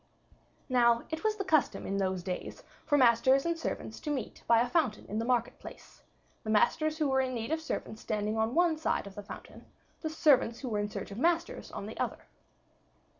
Now, it was the custom in those days for masters and servants to meet by a fountain in the market place, the masters who were in need of servants standing on one side of the fountain, the servants who were in search of masters on the other.